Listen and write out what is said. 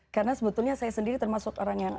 karena sebetulnya saya sendiri termasuk orang yang